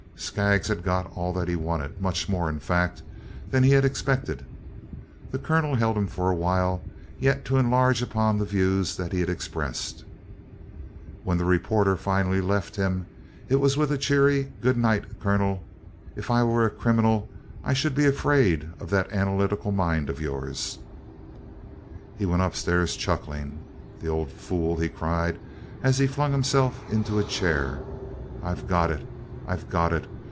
Skaggs had got all that he wanted; much more, in fact, than he had expected. The Colonel held him for a while yet to enlarge upon the views that he had expressed. When the reporter finally left him, it was with a cheery "Good night, Colonel. If I were a criminal, I should be afraid of that analytical mind of yours!" He went upstairs chuckling. "The old fool!" he cried as he flung himself into a chair. "I 've got it! I 've got it!